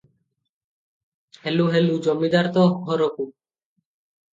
ହେଲୁ ହେଲୁ ଜମିଦାର ତୋ ଘରକୁ ।